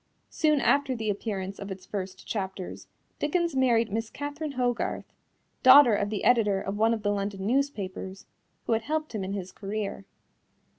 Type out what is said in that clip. Soon after the appearance of its first chapters, Dickens married Miss Catherine Hogarth, daughter of the editor of one of the London newspapers, who had helped him in his career.